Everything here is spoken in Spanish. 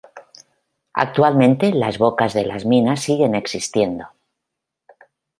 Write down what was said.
Actualmente, las bocas de las minas siguen existiendo.